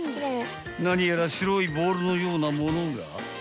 ［何やら白いボールのようなものが］